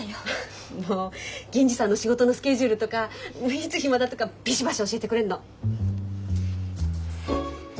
もう銀次さんの仕事のスケジュールとかいつ暇だとかビシバシ教えてくれんの。